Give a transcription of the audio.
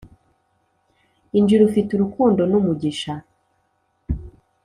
injira ufite urukundo numugisha